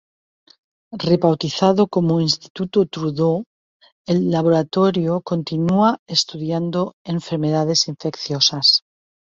Rebautizado como Instituto Trudeau, el laboratorio continúa estudiando enfermedades infecciosas.